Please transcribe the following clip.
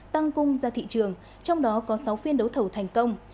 tăng cung ra thị trường trong đó có sáu phiên đấu thầu thành công